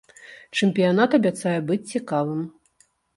Чэмпіянат абяцае быць цікавым.